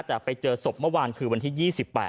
แต่ไปเจอศพเมื่อวานคือวันที่๒๘